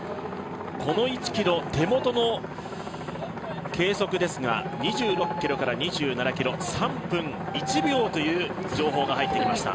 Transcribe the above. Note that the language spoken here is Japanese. この１ｋｍ、手元の計測ですが２６ｋｍから２７ｋｍ、３分１秒という情報が入ってきました。